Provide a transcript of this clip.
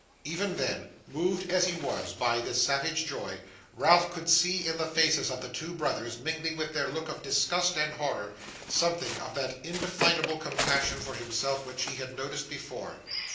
Even then, moved as he was by this savage joy, Ralph could see in the faces of the two brothers, mingling with their look of disgust and horror, something of that indefinable compassion for himself which he had noticed before.